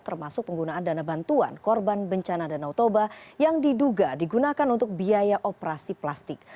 termasuk penggunaan dana bantuan korban bencana danau toba yang diduga digunakan untuk biaya operasi plastik